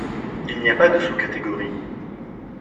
Il n’y a pas de sous-catégorie.